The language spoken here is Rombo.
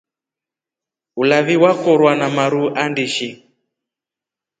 Ulavi wekorwa na maru andishi.